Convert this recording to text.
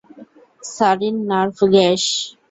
Siren nerve gas.